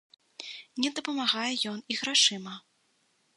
Не дапамагае ён і грашыма.